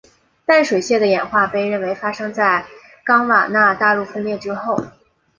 淡水蟹的演化被认为发生在冈瓦纳大陆分裂之后。